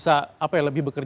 saya pasti akan jawab semuanya